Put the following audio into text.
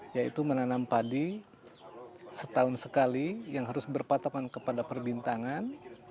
yaitu menanam padi setahun sekali yang harus berpatokan kepada perbintangan